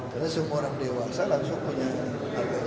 karena semua orang dewasa langsung punya alfabetnya